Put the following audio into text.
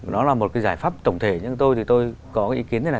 nó là một cái giải pháp tổng thể nhưng tôi thì tôi có cái ý kiến thế này